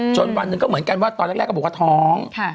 วันหนึ่งก็เหมือนกันว่าตอนแรกก็บอกว่าท้อง